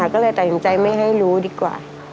ก็เลยแต่งใจไม่ให้รู้ดีกว่า